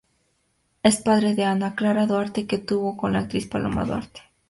Es padre de Ana Clara Duarte, que tuvo con la actriz Paloma Duarte.